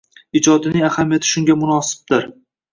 ijodining ahamiyati shunga munosibdir.